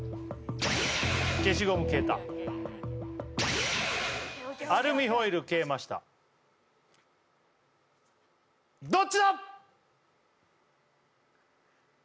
消しゴム消えたアルミホイル消えましたどっちだ！？